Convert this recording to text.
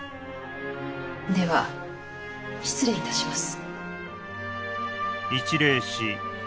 では失礼いたします。